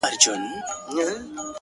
o نور دي نو شېخاني كيسې نه كوي ـ